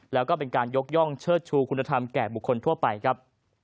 แล้วก็เป็นการยกย่องเชิดชูคุณธรรมแก่บุคคลทั่วไปครับ